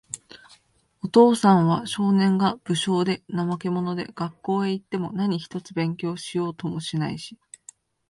お父さんは、少年が、無精で、怠け者で、学校へいっても何一つ勉強しようともしないし、